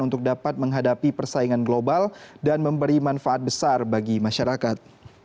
untuk dapat menghadapi persaingan global dan memberi manfaat besar bagi masyarakat